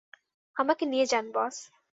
আমাকে নিয়ে যান, বস।